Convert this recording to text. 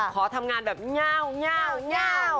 ขอทำงานแบบหน่าวหน่าวหน่าว